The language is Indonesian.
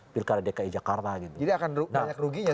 pilkara dki jakarta jadi akan banyak ruginya